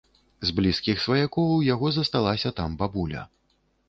З блізкіх сваякоў у яго засталася там бабуля.